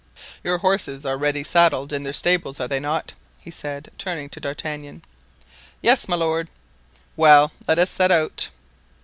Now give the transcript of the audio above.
"Your horses are ready saddled in their stables, are they not?" he said, turning to D'Artagnan. "Yes, my lord." "Well, let us set out."